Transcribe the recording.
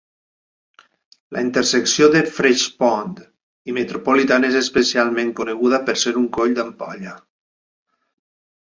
La intersecció de Fresh Pond i Metropolitan és especialment coneguda per ser un coll d'ampolla.